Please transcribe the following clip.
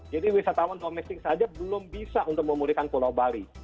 jadi wisatawan domestik saja belum bisa untuk memulihkan pulau bali